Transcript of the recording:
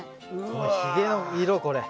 このひげの色これ。